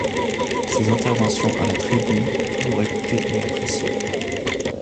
Ses interventions à la tribune toujours écoutées et appréciées.